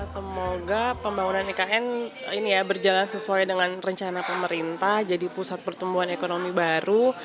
semoga pembangunan ikn berjalan sesuai dengan rencana pemerintah jadi pusat pertumbuhan ekonomi baru